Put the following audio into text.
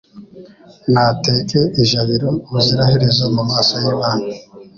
Nateke ijabiro ubuziraherezo mu maso y’Imana